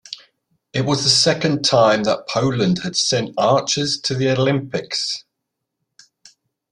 It was the second time that Poland had sent archers to the Olympics.